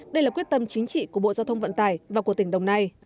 đây là quyết tâm chính trị của bộ giao thông vận tải và của tỉnh đồng nai